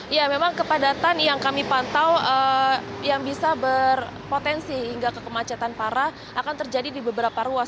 ya memang kepadatan yang kami pantau yang bisa berpotensi hingga kekemacetan parah akan terjadi di beberapa ruas